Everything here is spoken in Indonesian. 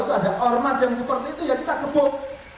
kalau ada ormas yang seperti itu ya kita kebuk